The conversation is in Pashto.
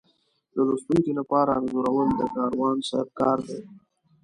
د لوستونکي لپاره انځورول د کاروان صاحب کار دی.